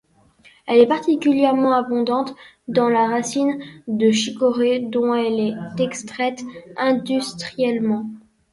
Elle est particulièrement abondante dans la racine de chicorée dont elle est extraite industriellement.